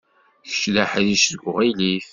Kečč d aḥric seg uɣilif.